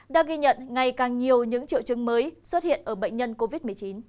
đã ghi nhận ngày càng nhiều những triệu chứng mới xuất hiện ở bệnh nhân covid một mươi chín